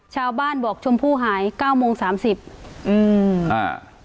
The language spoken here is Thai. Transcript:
ชาวบ้านบอกชมพู่หายเก้าโมงสามสิบอืมอ่า